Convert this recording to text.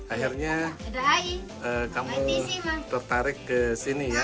akhirnya kamu tertarik ke sini ya